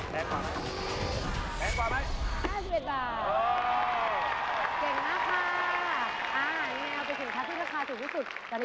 แพงกว่าไหม